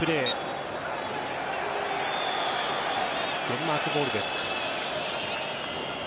デンマークボールです。